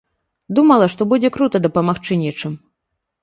Думала, што будзе крута дапамагчы нечым.